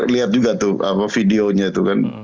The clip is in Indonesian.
lihat juga tuh videonya itu kan